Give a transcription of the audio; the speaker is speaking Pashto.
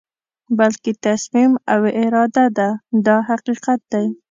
بلکې تصمیم او اراده ده دا حقیقت دی.